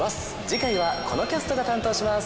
次回はこのキャストが担当します。